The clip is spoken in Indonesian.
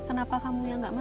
kenapa kamu yang nggak makan